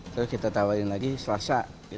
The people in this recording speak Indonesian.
terus kita tawarin lagi selasa